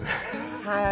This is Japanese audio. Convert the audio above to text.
はい。